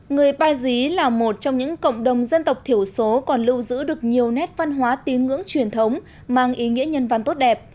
người ba dí là một trong những cộng đồng dân tộc thiểu số còn lưu giữ được nhiều nét văn hóa tín ngưỡng truyền thống mang ý nghĩa nhân văn tốt đẹp